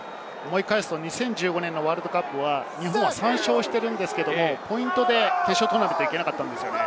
２０１５年のワールドカップは日本は３勝しているんですけれど、ポイントで決勝トーナメントに行けなかったんですよね。